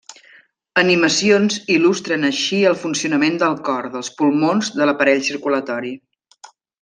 Animacions il·lustren així el funcionament del cor, dels pulmons, de l'aparell circulatori.